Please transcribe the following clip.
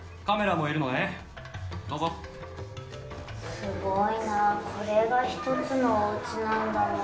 すごいなこれが一つのおうちなんだもんな。